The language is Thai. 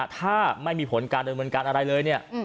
ถ้าไม่มีผลการดำเนินการอะไรเลยเนี่ย